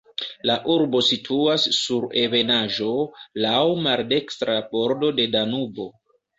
La urbo situas sur ebenaĵo, laŭ maldekstra bordo de Danubo.